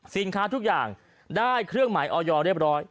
สินค้าทุกอย่างได้เครื่องหมายออยเรียบร้อย